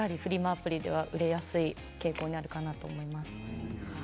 アプリでは売れやすい傾向にあるかなと思います。